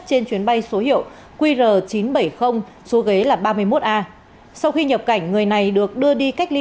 trên chuyến bay số hiệu qr chín trăm bảy mươi số ghế là ba mươi một a sau khi nhập cảnh người này được đưa đi cách ly